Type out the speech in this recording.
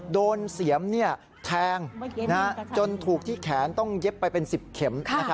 เสียมแทงจนถูกที่แขนต้องเย็บไปเป็น๑๐เข็ม